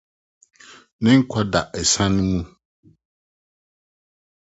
Ne nkwa da asiane mu.